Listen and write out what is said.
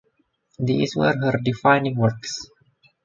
These were her defining works.